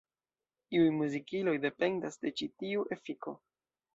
Iuj muzikiloj dependas de ĉi tiu efiko.